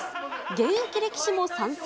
現役力士も参戦。